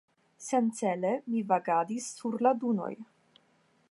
Sencele mi vagadis sur la dunoj.